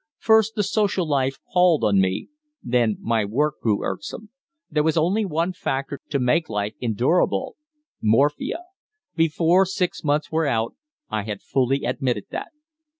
First the social life palled on me; then my work grew irksome. There was only one factor to make life endurable morphia. Before six months were out I had fully admitted that."